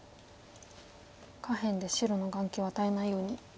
下辺で白の眼形を与えないように。